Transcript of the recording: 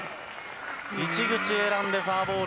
市口、選んでフォアボール。